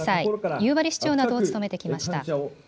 夕張市長などを務めてきました。